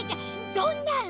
どんなの？